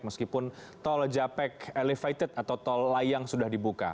meskipun tol japek elevated atau tol layang sudah dibuka